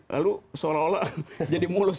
lalu seolah olah jadi mulus